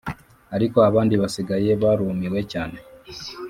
ariko abandi basigaye barumiwe cyane